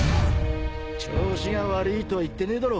調子が悪いとは言ってねえだろ。